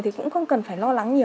thì cũng không cần phải lo lắng nhiều